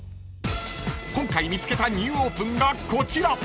［今回見つけたニューオープンがこちら］